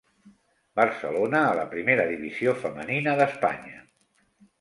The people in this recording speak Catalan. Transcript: Barcelona a la Primera Divisió femenina d'Espanya.